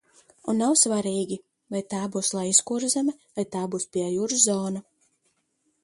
Un nav svarīgi, vai tā būs Lejaskurzeme, vai tā būs Piejūras zona.